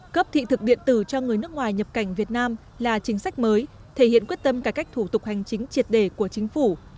cấp thị thực điện tử cho người nước ngoài nhập cảnh việt nam là chính sách mới thể hiện quyết tâm cải cách thủ tục hành chính triệt đề của chính phủ